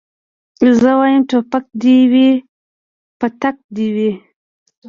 زه وايم ټوپک دي وي پتک دي وي